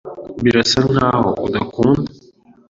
Birasa nkaho udakunda .